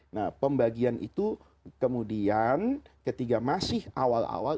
nah pembagian itu kemudian ketika masih awal awal